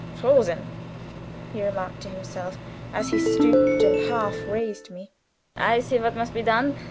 "Frozen!" he remarked to himself, as he stooped and half raised me. "I see what must be done.